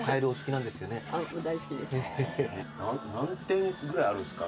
何点ぐらいあるんですか？